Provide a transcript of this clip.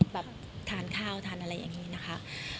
แบบทานข้าวทานอะไรอย่างนี้นะคะ